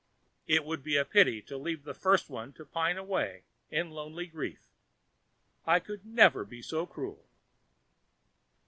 It would be a pity to leave the first one to pine away in lonely grief. I could never be so cruel."